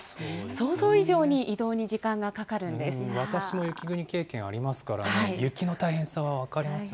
想像以上に移動に時間がかかるん私も雪国経験ありますからね、雪の大変さは分かりますよ。